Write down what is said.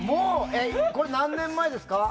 これ何年前ですか？